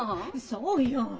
そうよ。